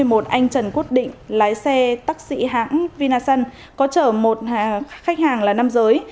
một anh trần quốc định lái xe taxi hãng vinasun có chở một khách hàng là nam giới